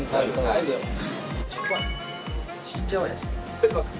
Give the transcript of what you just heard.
失礼します。